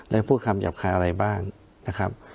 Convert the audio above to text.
และพูดคำหยาบคายอะไรบ้างนะครับ